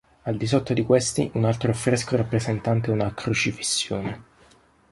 Al di sotto di questi un altro affresco rappresentante una "Crocifissione".